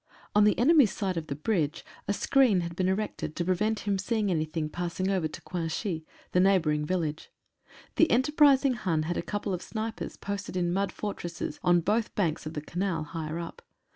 On the enemy's side of the bridge a screen had been erected to prevent him seeing anything passing over to Cuinchy, the neigh bouring village. The enterprising Hun had a couple of snipers posted in mud fortresses on both banks of the Canal, higher up.